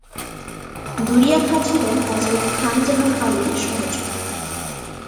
দরিয়া খাঁ ছিলেন হযরত খান জাহান আলীর সহচর।